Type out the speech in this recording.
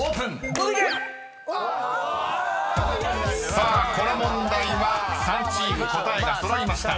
［さあこの問題は３チーム答えが揃いました］